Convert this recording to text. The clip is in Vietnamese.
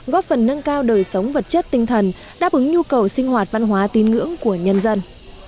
góp phần nâng cao đời sống vật chất tinh thần đáp ứng nhu cầu sinh hoạt văn hóa tin ngưỡng của nhân dân